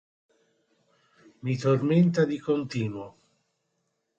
Mi tormenta di continuo.